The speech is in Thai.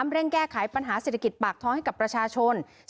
เร่งแก้ไขปัญหาเศรษฐกิจปากท้องให้กับประชาชน